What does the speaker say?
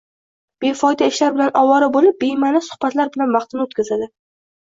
befoyda ishlar bilan ovora bo‘lib, bema’ni suhbatlar bilan vaqtini o‘tkazadi